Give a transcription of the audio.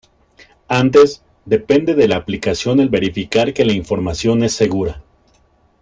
Antes, depende de la aplicación el verificar que la información es segura.